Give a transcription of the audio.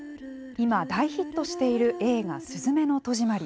今、大ヒットしている映画「すずめの戸締まり」。